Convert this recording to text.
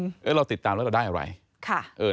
ก็เราติดตามแล้วเราได้อะไร